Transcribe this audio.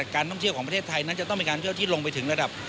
การท่องเที่ยวของประเทศไทยนั้นจะต้องเป็นการเที่ยวที่ลงไปถึงระดับ